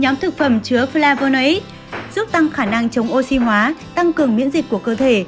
nhóm thực phẩm chứa flyverid giúp tăng khả năng chống oxy hóa tăng cường miễn dịch của cơ thể